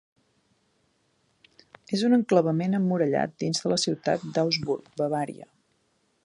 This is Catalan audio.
És un enclavament emmurallat dins de la ciutat d'Augsburg, Bavaria.